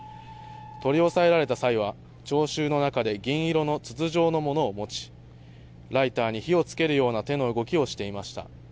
取り押さえられた際は聴衆の中で銀色の筒状のものを持ちライターに火をつけるような手の動きをしていました。